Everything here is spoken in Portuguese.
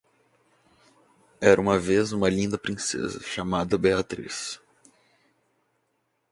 Era uma vez uma linda princesa, chamada Beatriz.